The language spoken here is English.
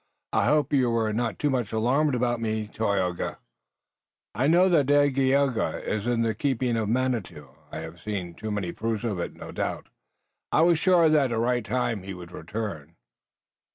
I hope you were not too much alarmed about me, Tayoga." "I know that Dagaeoga is in the keeping of Manitou. I have seen too many proofs of it to doubt. I was sure that at the right time he would return."